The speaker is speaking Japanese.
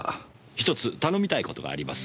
１つ頼みたい事があります。